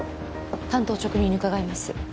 単刀直入に伺います